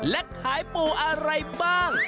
และขายปูอะไรบ้าง